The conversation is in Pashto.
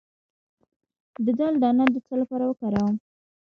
د دال دانه د څه لپاره وکاروم؟